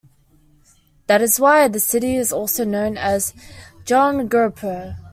That is why this city also known as Jahangirpur.